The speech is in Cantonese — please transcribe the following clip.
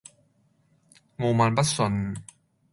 傲慢不遜